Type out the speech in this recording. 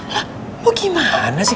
lah mau gimana sih